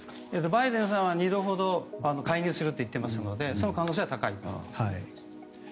バイデンさんは２度ほど介入するといっていますのでその可能性は高いと思います。